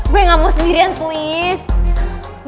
gue ga mau sendirian please